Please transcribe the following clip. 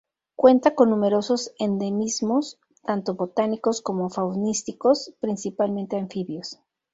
Cuenta con numerosos endemismos tanto botánicos como faunísticos, principalmente anfibios.